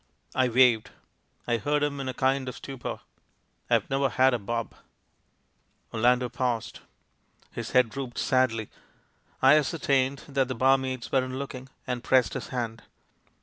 "I waived! I heard him in a kind of stupor. ... I've never had a bob !" Orlando paused ; his head drooped sadly. I as certained that the barmaids weren't looking, and pressed his hand.